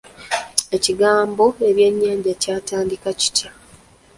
Ekigambo ebyennyanja kyatandika kitya?